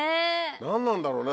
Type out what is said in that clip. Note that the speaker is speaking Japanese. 何なんだろうね